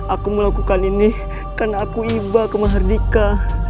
aku melakukan ini kan aku iba ke mahardika